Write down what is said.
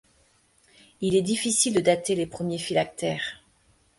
Il est difficile de dater les premiers phylactères.